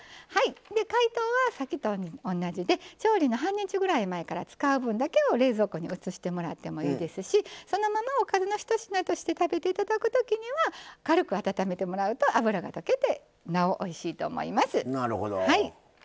解凍はさっきと同じで調理の半日前から使う分だけを冷蔵庫に移してもらってもいいですしそのままおかずのひと品として食べていただくときには軽く温めてもらうと脂が溶けて、なおおいしいと思います。